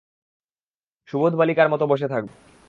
সুবোধ বালিকার মতো বসে থাকব।